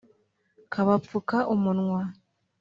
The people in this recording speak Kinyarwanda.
kabapfuka umunwa